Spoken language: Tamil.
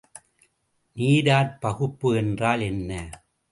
நீராற்பகுப்பு என்றால் என்ன?